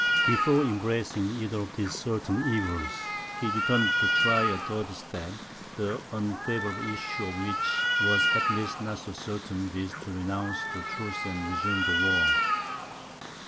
Before embracing either of these certain evils, he determined to try a third step, the unfavourable issue of which was at least not so certain, viz., to renounce the truce and resume the war.